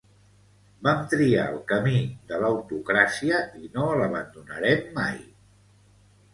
Vam triar el camí de l'autocràcia i no l'abandonarem mai.